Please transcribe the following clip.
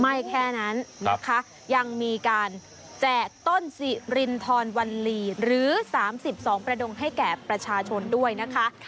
ไม่แค่นั้นนะคะยังมีการแจกต้นสิรินทรวัลลีหรือ๓๒ประดงให้แก่ประชาชนด้วยนะคะ